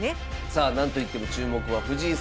さあ何といっても注目は藤井聡太